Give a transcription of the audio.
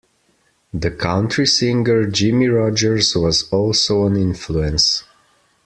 The country singer Jimmie Rodgers was also an influence.